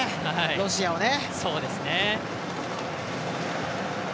ロシアをね。